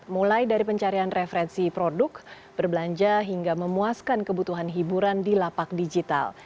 mulai dari pencarian referensi produk berbelanja hingga memuaskan kebutuhan hiburan di lapak digital